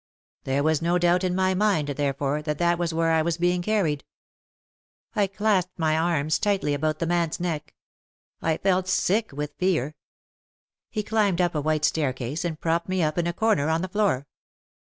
There was no doubt in my mind, therefore, that that was where I was being carried. I clasped my arms tightly about the man's neck. I felt sick with fear. He climbed up a white staircase and propped me up in a corner on the floor.